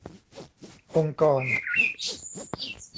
องค์กร